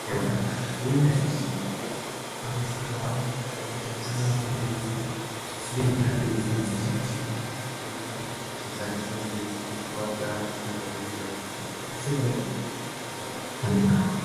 Hence the young king was left without the resources his father had enjoyed.